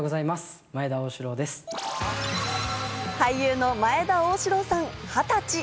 俳優の前田旺志郎さん、二十歳。